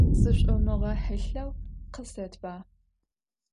Zış'omığehılheu, khısetba.